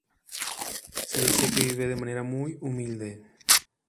Se dice que vive de manera muy humilde.